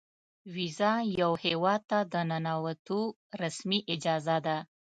ویزه یو هیواد ته د ننوتو رسمي اجازه ده.